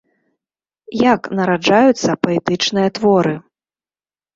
Як нараджаюцца паэтычныя творы?